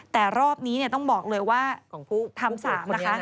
แต่รอบนี้ต้องบอกเลยว่าทำ๓นะคะ